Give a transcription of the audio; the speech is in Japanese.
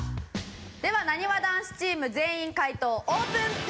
ではなにわ男子チーム全員解答オープン。